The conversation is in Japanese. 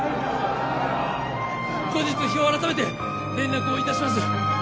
後日日を改めて連絡をいたします